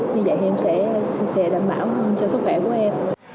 như vậy em sẽ đảm bảo cho sức khỏe của em